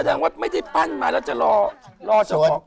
แต่อย่างว่าไม่ได้ปั้นมาแล้วจะล่อเจ้าของ